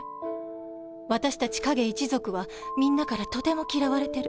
私たち影一族はみんなからとても嫌われてる